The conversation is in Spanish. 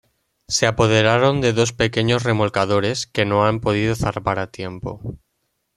Se apoderan de dos pequeños remolcadores que no han podido zarpar a tiempo.